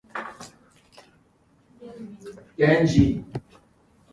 Also under Doctor Sheinin, the American Plan was developed.